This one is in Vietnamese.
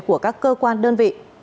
của các cơ quan đơn vị